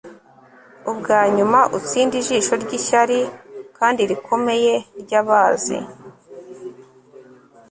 Ubwanyuma utsinde ijisho ryishyari kandi rikomeye ryabazi